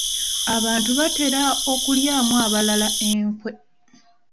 Abantu batera okulyamu abalala enkwe.